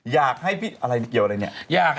อยากให้อะไรเกี่ยวอะไรเนี่ย